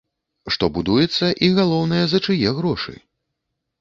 Што будуецца і, галоўнае, за чые грошы.